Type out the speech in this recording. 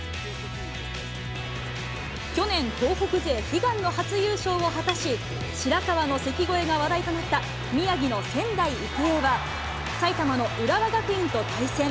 去年、東北勢悲願の初優勝を果たし、白河の関越えが話題となった宮城の仙台育英は、埼玉の浦和学院と対戦。